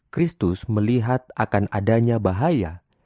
kristus melihat akan adanya bahaya